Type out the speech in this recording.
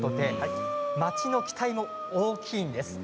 町の期待も大きいんですね。